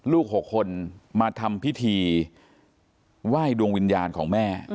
ลูก๖คนมาทำพิธีไหว้ดวงวิญญาณของแม่